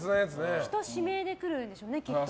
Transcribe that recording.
人指名で来るんでしょうね。